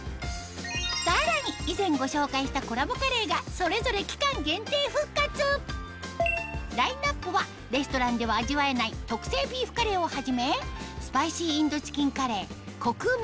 さらに以前ご紹介したコラボカレーがそれぞれ期間限定復活ラインアップはレストランでは味わえない特製ビーフカレーをはじめスパイシーインドチキンカレーコクうま！